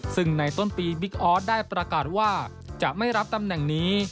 ซึ่งในต้นปีบิ๊กออสได้ประกาศว่าจะไม่รับตำแหน่งนี้